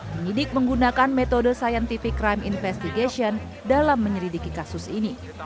penyidik menggunakan metode scientific crime investigation dalam menyelidiki kasus ini